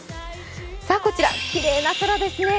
こちら、きれいな空ですね。